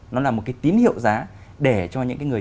nó là một cái tín hiệu giá để cho những cái người